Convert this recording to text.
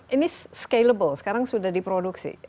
ini scalable sekarang sudah diproduksi